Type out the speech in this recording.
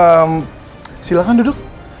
ehm silakan duduk